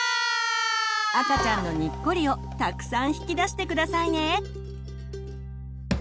赤ちゃんのにっこりをたくさん引き出してくださいね！